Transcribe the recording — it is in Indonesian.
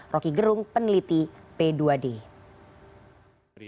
roky gerung peneliti p dua d